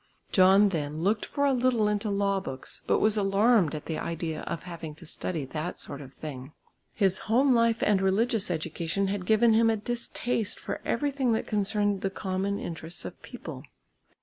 John then looked for a little into law books, but was alarmed at the idea of having to study that sort of thing. His home life and religious education had given him a distaste for everything that concerned the common interests of people.